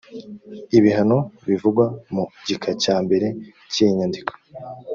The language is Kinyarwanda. ibihano bivugwa mu gika cya mbere cy iyi nyandiko